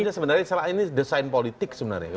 jadi maksudnya sebenarnya ini desain politik sebenarnya